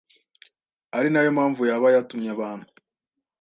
ari na yo mpamvu yaba yatumye abantu